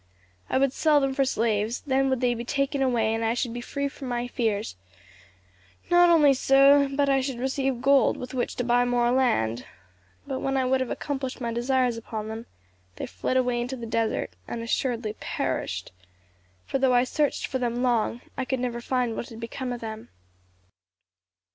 I would sell them for slaves, then would they be taken away and I should be free from my fears; not only so, but I should receive gold, with which to buy more land. But when I would have accomplished my desires upon them, they fled away into the desert, and assuredly perished; for though I searched for them long, I could never find what had become of them."